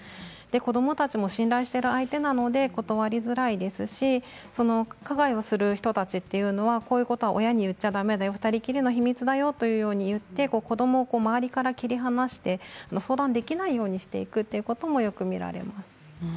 子どもたちも信頼している相手なので、断りづらいですし加害をする人たちというのはこういうことを親に言ってはだめだよ、２人きりの秘密だよというようなことを言って周りから切り離して相談できないようにしていくということもよく見られます。